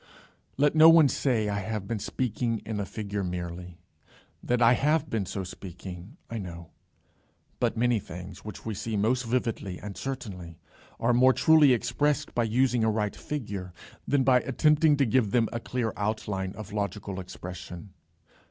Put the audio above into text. Let no one say I have been speaking in a figure merely. That I have been so speaking I know. But many things which we see most vividly and certainly are more truly expressed by using a right figure, than by attempting to give them a clear outline of logical expression.